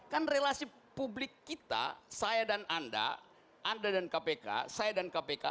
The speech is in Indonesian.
kan relasi publik kita saya dan anda anda dan kpk saya dan kpk